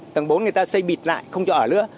tầng bốn người ta xây bịt lại không cho ở nữa